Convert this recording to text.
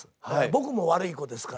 僕も悪い子ですから。